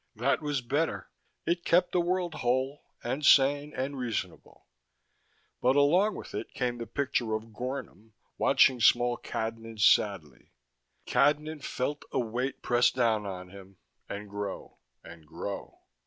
That was better: it kept the world whole, and sane, and reasonable. But along with it came the picture of Gornom, watching small Cadnan sadly. Cadnan felt a weight press down on him, and grow, and grow.